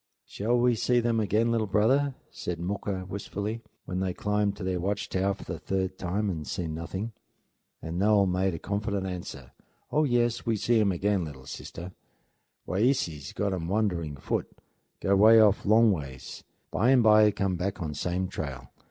"Shall we see them again, little brother?" said Mooka wistfully, when they had climbed to their watch tower for the third time and seen nothing. And Noel made confident answer: "Oh, yes, we see um again, lil sister. Wayeeses got um wandering foot; go 'way off long ways; bimeby come back on same trail.